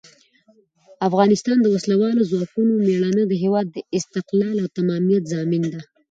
د افغانستان د وسلوالو ځواکونو مېړانه د هېواد د استقلال او تمامیت ضامن ده.